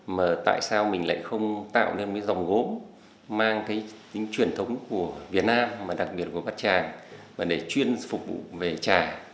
mà tại sao mình lại không tạo nên cái dòng gỗ mang cái tính truyền thống của việt nam mà đặc biệt gỗ bát tràng và để chuyên phục vụ về trà